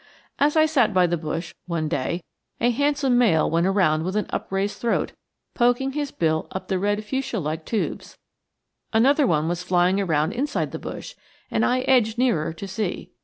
As I sat by the bush one day, a handsome male went around with upraised throat, poking his bill up the red fuchsia like tubes. Another one was flying around inside the bush, and I edged nearer to see.